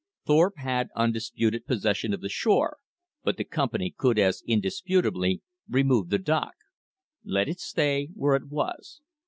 Thorpe had undisputed possession of the shore, but the Company could as indisputably remove the dock. Let it stay where it was.